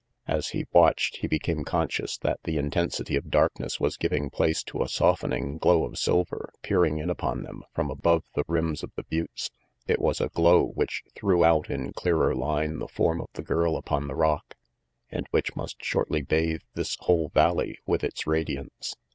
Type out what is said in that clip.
As he watched, he became conscious that the intensity of darkness was giving place to a softening glow of silver peering in upon them from above the rims of the buttes. It was a glow which threw out in clearer line the form of the girl upon the rock, and which must shortly bathe this whole valley with its radiance.